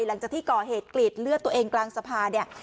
หลังจากที่ก่อเหตุกรีดเลือดตัวเองกลางสะพานเนี่ย